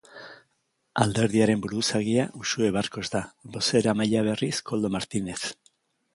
Alderdiaren buruzagia Uxue Barkos da, bozeramailea berriz Koldo Martinez.